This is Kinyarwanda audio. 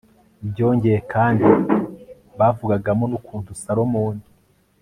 byongeye kandi, bavugagamo n'ukuntu salomoni